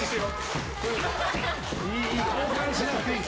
交換しなくていい。